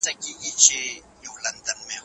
که پردي په موږه زر وارې ديره شي